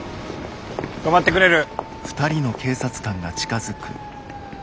止まってくれる？